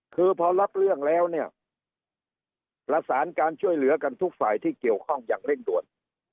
คือพอรับเรื่องแล้วเนี่ยประสานการช่วยเหลือกันทุกฝ่ายที่เกี่ยวข้องอย่างเร่งด่วน